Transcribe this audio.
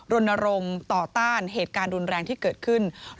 รณรงค์ต่อต้านเหตุการณ์รุนแรงที่เกิดขึ้น